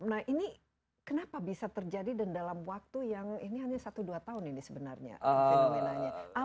nah ini kenapa bisa terjadi dan dalam waktu yang ini hanya satu dua tahun ini sebenarnya fenomenanya